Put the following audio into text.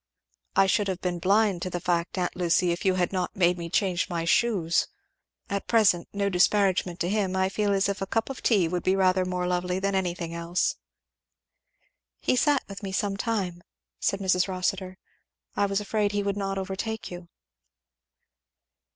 "I should have been blind to the fact, aunt Lucy, if you had not made me change my shoes. At present, no disparagement to him, I feel as if a cup of tea would be rather more lovely than anything else." "He sat with me some time," said Mrs. Rossitur; "I was afraid he would not overtake you."